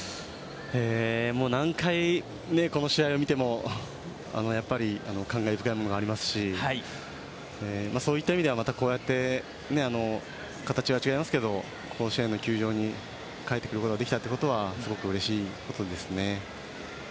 えー、もう何回この試合を見てもやっぱり感慨深いものがありますし、そういった意味ではまたこうやって形は違いますがこの試合の球場に帰ってくることができたのはすごくうれしいですね。